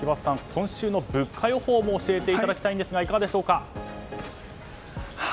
今週の物価予報を教えていただきたいんですがいかがでしょうか。